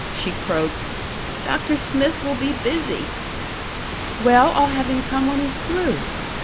she croaked. "Doctor Smyth will be busy." "Well, I'll have him come when he's through."